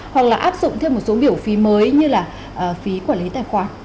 hoặc là áp dụng thêm một số biểu phí mới như là phí quản lý tài khoản